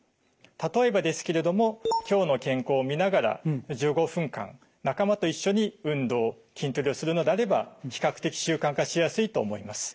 例えばですけれども「きょうの健康」を見ながら１５分間仲間と一緒に運動筋トレをするのであれば比較的習慣化しやすいと思います。